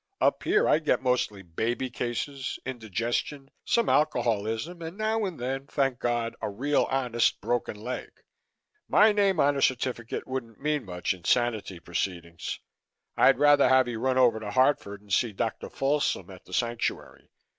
Up here I get mostly baby cases, indigestion, some alcoholism and now and then, thank God, a real honest broken leg. My name on a certificate wouldn't mean much in sanity proceedings. I'd rather have you run over to Hartford and see Dr. Folsom at the Sanctuary.